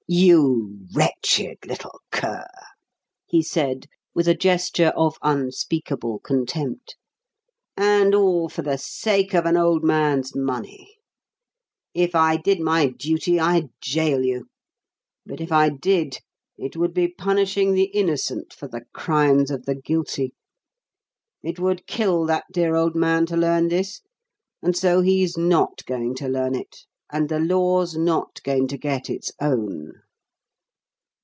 "You wretched little cur!" he said, with a gesture of unspeakable contempt. "And all for the sake of an old man's money! If I did my duty, I'd gaol you. But if I did, it would be punishing the innocent for the crimes of the guilty. It would kill that dear old man to learn this; and so he's not going to learn it, and the law's not going to get its own."